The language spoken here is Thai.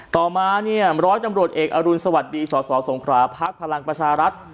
ต่อมาเนี่ยร้อยจำรวจเอกอรุณสวัสดีสสสงขราพักพลังประชารัฐ